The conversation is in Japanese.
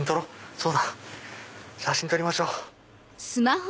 そうだ写真撮りましょう。